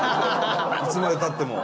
いつまで経っても。